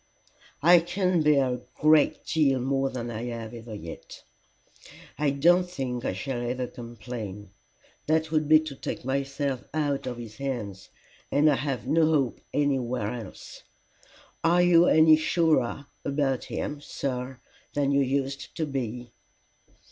"I can bear a great deal more than I have had yet. I don't think I shall ever complain. That would be to take myself out of his hands, and I have no hope anywhere else. Are you any surer about him, sir, than you used to be?"